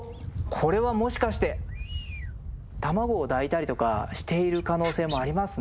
これはもしかして卵を抱いたりとかしている可能性もありますね。